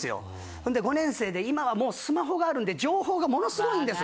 ほんで５年生で今はもうスマホがあるんで情報がものすごいんです。